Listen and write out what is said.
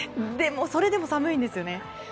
それでも寒いんですよね。